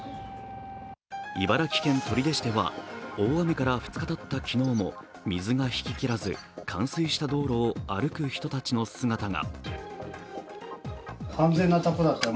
茨城県取手市では大雨から２日たった昨日も水が引ききらず冠水した道路を歩く人たちの姿が。